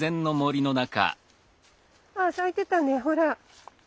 あ咲いてたねほら。